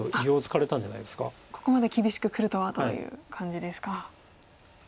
ここまで厳しくくるとはという感じですか。